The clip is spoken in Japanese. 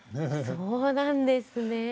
そうなんですね。